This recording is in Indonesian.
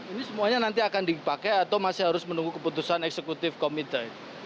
ini semuanya nanti akan dipakai atau masih harus menunggu keputusan eksekutif komite